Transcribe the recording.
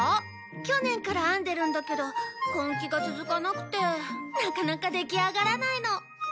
去年から編んでるんだけど根気が続かなくてなかなかできあがらないの。